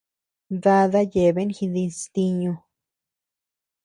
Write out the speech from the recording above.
Dada yeabean jidis ntiñu.